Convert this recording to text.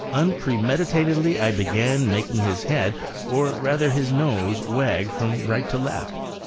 Unpremeditatedly I began making his head, or rather his nose, wag from right to left.